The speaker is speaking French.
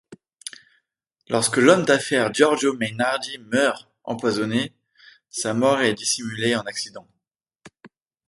Lorsque l’homme d’affaires Giorgio Mainardi meurt empoisonné, sa mort est dissimulée en accident.